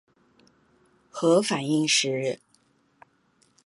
核反應時